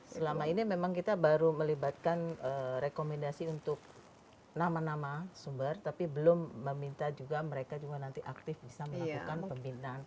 selama ini memang kita baru melibatkan rekomendasi untuk nama nama sumber tapi belum meminta juga mereka juga nanti aktif bisa melakukan pembinaan